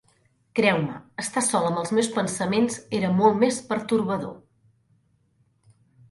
Creu-me, estar sol amb els meus pensaments era molt més pertorbador.